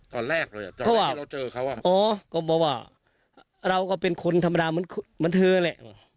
ตอนแรกเลยตอนที่เราเจอเขาอ่ะอ๋อก็บอกว่าเราก็เป็นคนธรรมดาเหมือนเหมือนเธอเลย